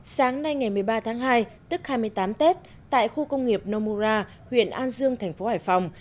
sáng nay ngày một mươi ba tháng hai tức hai mươi tám tết tại khu công nghiệp nomura huyện an dương thành phố hải phòng